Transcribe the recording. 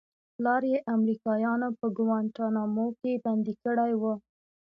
پلار يې امريکايانو په گوانټانامو کښې بندي کړى و.